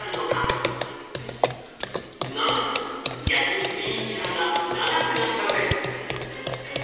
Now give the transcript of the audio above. なんと逆に睡眠時間が長くなったのです。